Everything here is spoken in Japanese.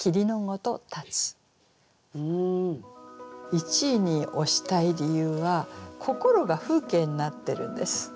１位に推したい理由は心が風景になってるんです。